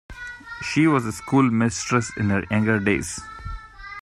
She was a schoolmistress in her younger days.